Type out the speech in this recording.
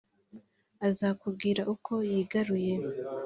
aza kumbwira uko yigaruye